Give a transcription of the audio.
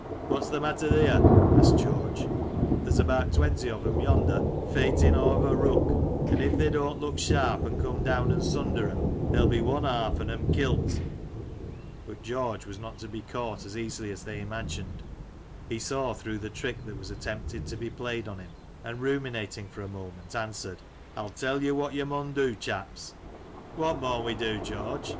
"What's th' matter theer ?" asked George. " There's about twenty of 'efn yonder feighting a' of a rook, an' if thae doesn't look sharp and come down and sunder 'em, they'll be one half on 'em 144 Lancashire Characters and Places, kilt !" But George was not to be caught as easily as the3r imagined — he saw through the trick that was attempted to be played on him, and ruminating for a moment, answered ^" 1*11 tell yo what yo maun do, chaps." " What maun we do^ George?"